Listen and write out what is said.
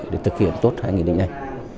để thực hiện tốt hai nghị định này